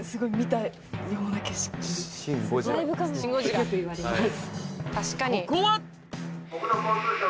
よく言われます。